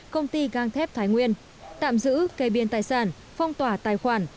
công ty gang thép thái nguyên tạm giữ cây biên tài sản phong tỏa tài khoản